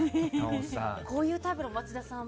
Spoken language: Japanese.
こういうタイプも町田さん